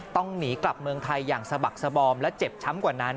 ต้องหนีกลับเมืองไทยอย่างสะบักสบอมและเจ็บช้ำกว่านั้น